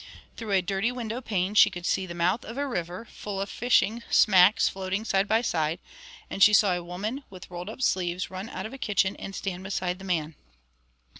Through a dirty window pane she could see the mouth of a river, full of fishing smacks floating side by side; and she saw a woman, with rolled up sleeves, run out of a kitchen and stand beside the man.